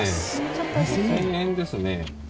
２０００円ですね。